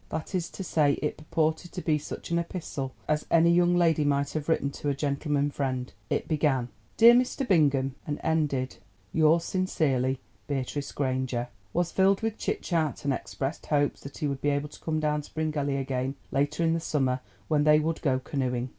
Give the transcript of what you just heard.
That is to say it purported to be such an epistle as any young lady might have written to a gentleman friend. It began, "Dear Mr. Bingham," and ended, "Yours sincerely, Beatrice Granger," was filled with chit chat, and expressed hopes that he would be able to come down to Bryngelly again later in the summer, when they would go canoeing.